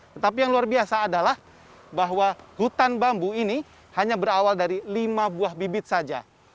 tetapi yang luar biasa adalah bahwa hutan bambu ini hanya berawal dari lima buah bibit saja